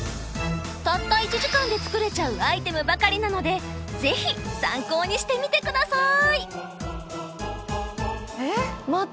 たった１時間で作れちゃうアイテムばかりなのでぜひ参考にしてみて下さい！